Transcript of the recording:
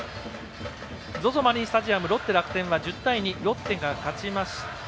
ＺＯＺＯマリンスタジアムロッテ、楽天は１０対２ロッテが勝ちました。